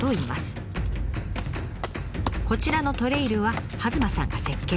こちらのトレイルは弭間さんが設計。